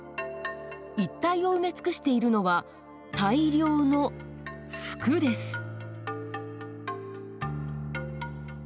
一帯を埋め尽くしているのは大量の服です。